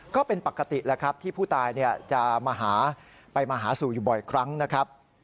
ก็เป็นปกติแล้วครับที่ผู้ตายจะมาหาไปมาหาสู่อยู่บ่อยครั้งนะครับ